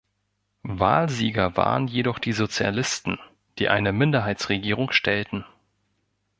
Wahlsieger waren jedoch die Sozialisten, die eine Minderheitsregierung stellten.